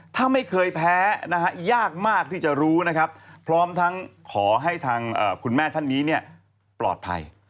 ถ้าไม่เคยแพ้นะฮะยากมากที่จะรู้นะครับพร้อมทั้งขอให้ทางคุณแม่ท่านนี้ปลอดภัย